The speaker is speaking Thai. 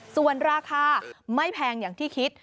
ส่วนราคาไม่แพงอย่างที่คิด